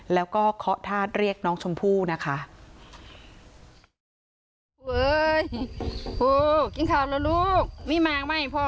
แล้วก็เคาะธาตุเรียกน้องชมพู่นะคะ